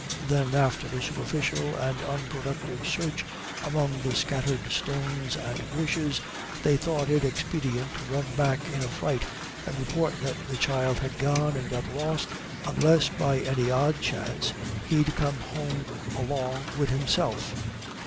Then, after a superficial and unproductive search among the scattered stones and bushes, they thought it expedient to run back in a fright, and report that the child had gone and got lost, unless by any odd chance he'd come home along wid himself.